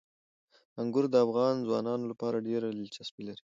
انګور د افغان ځوانانو لپاره ډېره دلچسپي لري.